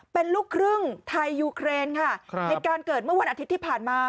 เป็นลูกครึ่งไทยยูเครนค่ะครับเหตุการณ์เกิดเมื่อวันอาทิตย์ที่ผ่านมา